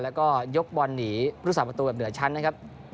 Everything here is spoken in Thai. แล้วก็ยกบอลหนีพุทธศาสประตูแบบเหนือชั้นนะครับ